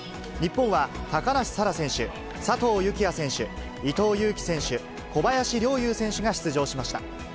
日本は高梨沙羅選手、佐藤幸椰選手、伊藤有希選手、小林陵侑選手が出場しました。